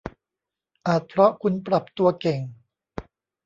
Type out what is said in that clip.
อาจเพราะคุณปรับตัวเก่ง